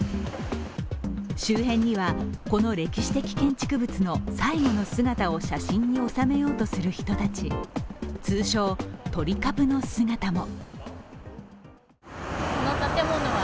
周辺には、この歴史的建築物の最後の姿を写真を収めようとする人たち、通称・撮りカプの姿も。